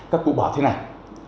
các cụ bảo thế này